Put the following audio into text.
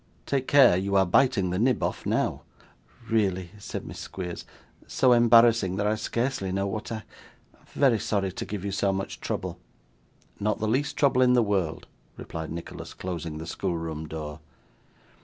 Take care! You are biting the nib off now.' 'Really,' said Miss Squeers; 'so embarrassing that I scarcely know what I very sorry to give you so much trouble.' 'Not the least trouble in the world,' replied Nicholas, closing the schoolroom door.